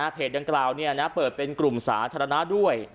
ดังกล่าวเปิดเป็นกลุ่มสาธารณะด้วย